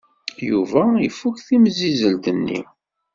Yuba ifuk timsizzelt-nni.